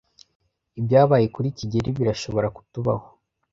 Ibyabaye kuri kigeli birashobora kutubaho.